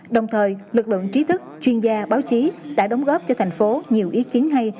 đồng thời lực lượng trí thức chuyên gia báo chí đã đóng góp cho thành phố nhiều ý kiến hay